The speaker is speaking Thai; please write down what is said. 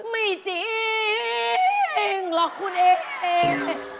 ไม่จริงหรอกคุณเอง